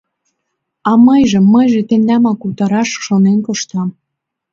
А мыйже, мыйже тендамак утараш шонен коштам...